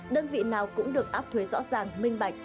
đơn vị nào cũng được áp thuế rõ ràng minh bạch